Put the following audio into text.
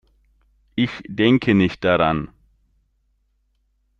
Ich denke nicht daran.